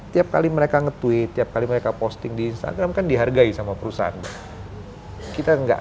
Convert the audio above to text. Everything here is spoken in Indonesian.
tiap kali mereka nge tweet tiap kali mereka posting di instagram kan dihargai sama perusahaan kita enggak